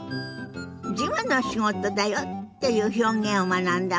「事務の仕事だよ」っていう表現を学んだわね。